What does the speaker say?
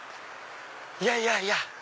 いやいやいや！